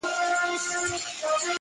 o ته يې بد ايسې.